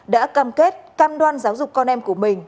đã cam kết cam đoan giáo dục con em của mình